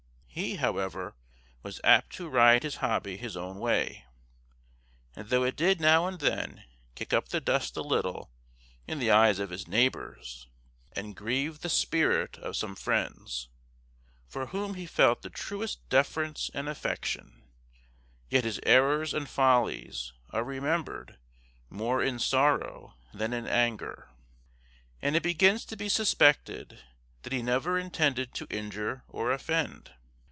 He, however, was apt to ride his hobby his own way; and though it did now and then kick up the dust a little in the eyes of his neighbors, and grieve the spirit of some friends, for whom he felt the truest deference and affection, yet his errors and follies are remembered "more in sorrow than in anger," and it begins to be suspected, that he never intended to injure or offend.